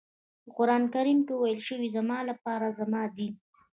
په قرآن کریم کې ويل شوي زما لپاره زما دین.